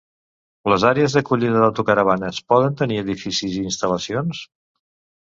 Les àrees d'acollida d'autocaravanes poden tenir edificis i instal·lacions?